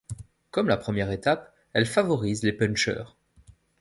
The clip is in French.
Comme la première étape, elle favorise les puncheurs.